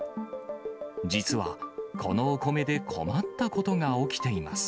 実は、このお米で困ったことが起きています。